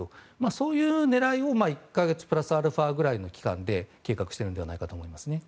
そういう狙いを１か月プラスアルファぐらいの期間で計画しているのではないかと思いますね。